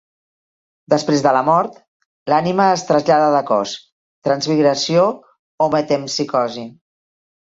Després de la mort, l'ànima es trasllada de cos: transmigració o metempsicosi.